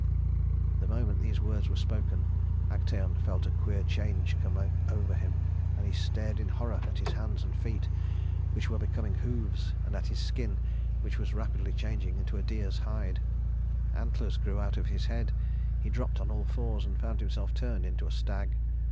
The moment these words were spoken Actæon felt a queer change coming over him, and he stared in horror at his hands and feet, which were becoming hoofs, and at his skin, which was rapidly changing into a deer's hide. Antlers grew out of his head, he dropped on all fours, and found himself turned into a stag.